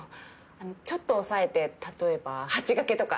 ちょっと抑えて例えば８掛けとか。